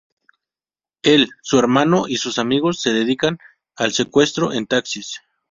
Él, su hermano y sus amigos se dedican al secuestro en taxis.